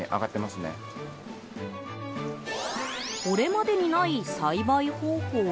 これまでにない栽培方法